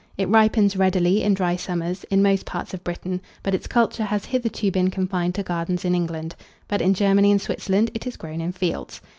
It ripens readily, in dry summers, in most parts of Britain, but its culture has hitherto been confined to gardens in England; but in Germany and Switzerland it is grown in fields.